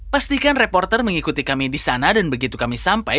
pastikan reporter mengikuti kami di sana dan begitu kami sampai